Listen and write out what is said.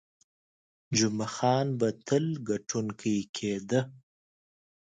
جمعه خان به تل ګټونکی کېده.